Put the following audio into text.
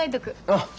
ああ。